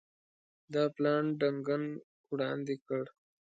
دا پلان ډنکن وړاندي کړ.